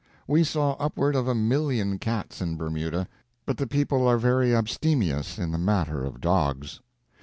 We saw upward of a million cats in Bermuda, but the people are very abstemious in the matter of dogs.